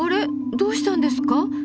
どうしたんですか？